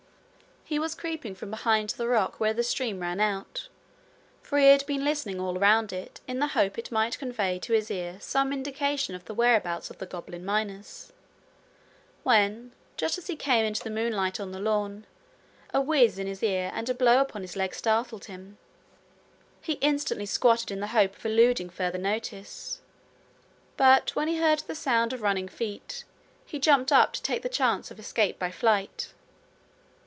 He was creeping from behind the rock where the stream ran out, for he had been listening all round it in the hope it might convey to his ear some indication of the whereabouts of the goblin miners, when just as he came into the moonlight on the lawn, a whizz in his ear and a blow upon his leg startled him. He instantly squatted in the hope of eluding further notice. But when he heard the sound of running feet, he jumped up to take the chance of escape by flight.